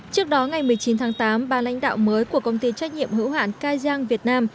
trước đó ngày một mươi chín tháng tám ba lãnh đạo mới của công ty trách nhiệm hữu hạn cai giang việt nam